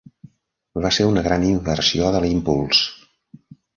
Va ser una gran inversió de l'impuls.